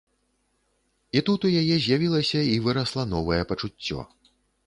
І тут у яе з'явілася і вырасла новае пачуццё.